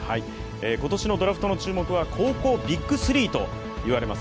今年のドラフトの注目は高校ＢＩＧ３と言われます